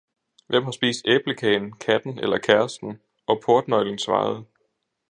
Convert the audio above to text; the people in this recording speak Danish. Hvem har spist æblekagen, katten eller kæresten? og portnøglen svarede.